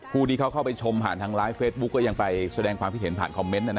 ผู้ที่เขาเข้าไปชมผ่านทางไลฟ์เฟซบุ๊คก็ยังไปแสดงความคิดเห็นผ่านคอมเมนต์